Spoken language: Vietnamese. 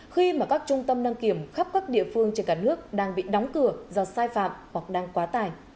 khi mà các trung tâm đăng kiểm khắp các địa phương trên cả nước đang bị đóng cửa do sai phạm hoặc đang quá tải